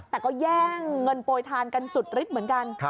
แต่ก็แย่งเงินโปรยทานกันสุดฤทธิ์เหมือนกัน